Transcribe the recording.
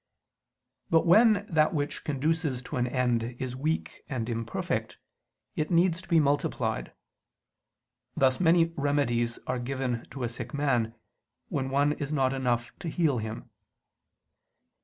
But when that which conduces to an end is weak and imperfect, it needs to be multiplied: thus many remedies are given to a sick man, when one is not enough to heal him.